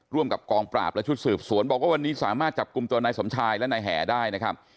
ร่วมกับกองปราบและชุดสืบสวนบอกว่าวันนี้สามารถจับกลุ่มตัวนายสมชายและนายแห่ได้นะครับ